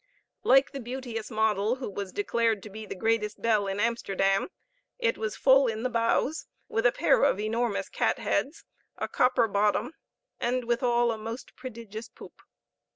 Like the beauteous model, who was declared to be the greatest belle in Amsterdam, it was full in the bows, with a pair of enormous catheads, a copper bottom, and withal a most prodigious poop.